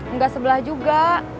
nggak sebelah juga